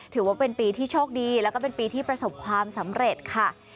ถือว่าเป็นปีที่โชคดีแล้วก็เป็นปีที่ประสบความสำเร็จค่ะ